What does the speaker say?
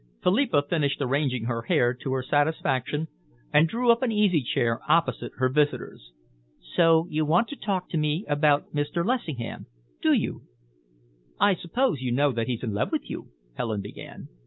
Philippa finished arranging her hair to her satisfaction and drew up an easy chair opposite her visitor's. "So you want to talk with me about Mr. Lessingham, do you?" "I suppose you know that he's in love with you?" Helen began.